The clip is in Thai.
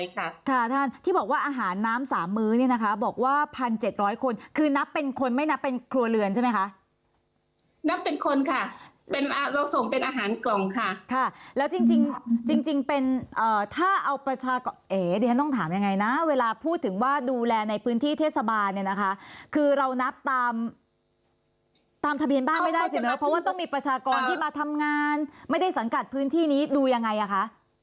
ใช่ไหมคะนับเป็นคนค่ะเป็นเราส่งเป็นอาหารกล่องค่ะค่ะแล้วจริงจริงจริงจริงเป็นเอ่อถ้าเอาประชากรเอ๋เดี๋ยวฉันต้องถามยังไงน่ะเวลาพูดถึงว่าดูแลในพื้นที่เทศบาลเนี้ยนะคะคือเรานับตามตามทะเบียนบ้างไม่ได้สิเนอะเพราะว่าต้องมีประชากรที่มาทำงานไม่ได้สังกัดพื้นที่นี้ดูยังไงอ่ะค่ะ